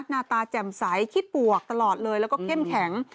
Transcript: หน้าตาแจ่มใสคิดบวกตลอดเลยแล้วก็เข้มแข็ง